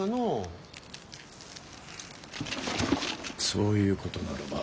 そういうことならば。